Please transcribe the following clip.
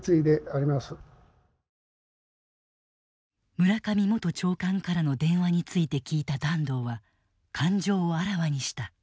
村上元長官からの電話について聞いた團藤は感情をあらわにした。